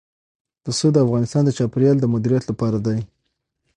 پسه د افغانستان د چاپیریال د مدیریت لپاره دي.